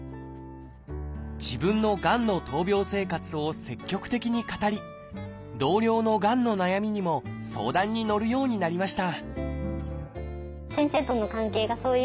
自分のがんの闘病生活を積極的に語り同僚のがんの悩みにも相談にのるようになりました